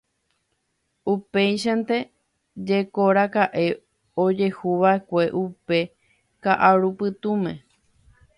Upeichaite jekoraka'e ojehuva'ekue upe ka'arupytũme.